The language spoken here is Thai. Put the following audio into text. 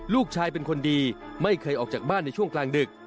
ลูกชายเป็นคนดีไม่เคยออกจากบ้านในช่วงกลางดึก